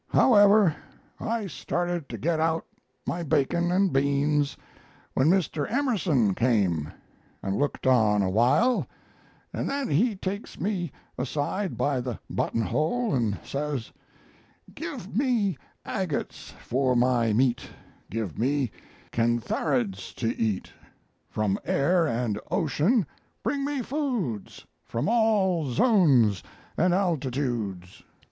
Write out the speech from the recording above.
However, I started to get out my bacon and beans when Mr. Emerson came and looked on awhile, and then he takes me aside by the buttonhole and says: "'Give me agates for my meat; Give me cantharids to eat; From air and ocean bring me foods, From all zones and altitudes.'